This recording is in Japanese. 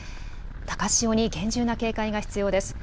高潮に厳重な警戒が必要です。